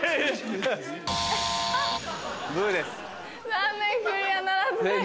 残念クリアならずです。